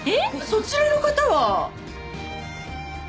そちらの方は？